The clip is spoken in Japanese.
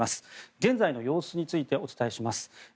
現在の様子についてお伝えします。